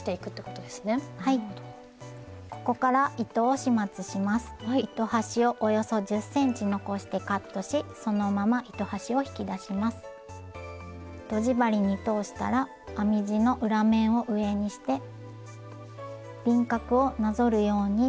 とじ針に通したら編み地の裏面を上にして輪郭をなぞるように端の編み目に通します。